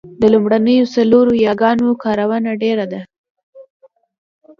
د لومړنیو څلورو یاګانو کارونه ډېره ده